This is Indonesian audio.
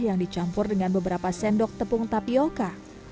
yang dicampur dengan beberapa sendok tepung tapioca